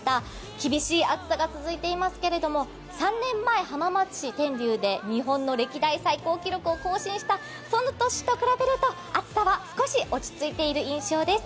厳しい暑さが続いていますが３年前浜松市天竜で日本の歴代最高記録を更新した年と比べると暑さは少し落ち着いている印象です。